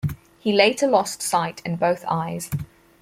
He later lost sight in both eyes.